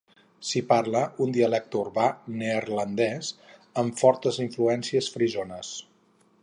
S'hi parla un dialecte urbà neerlandès amb fortes influències frisones.